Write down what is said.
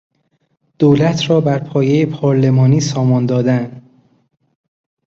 دولت را بر پایهی پارلمانی سامان دادن